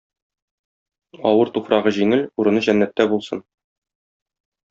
Авыр туфрагы җиңел, урыны җәннәттә булсын.